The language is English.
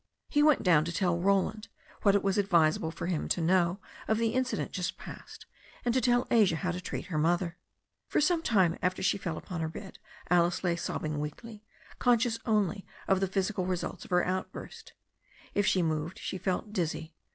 He went down to tell Roland what it was advisable for him to know of the incident just past, and to tell Asia how to treat her mother. For some time after she fell upon her bed Alice lay sob bing weakly, conscious only of the physical results of her outburst. If she moved she felt dizzy.